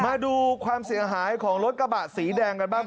มาดูความเสียหายของรถกระบะสีแดงกันบ้าง